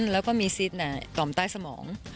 แล้วก็มีซิดหน่ายต่อมใต้สมอง